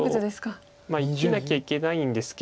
生きなきゃいけないんですけど。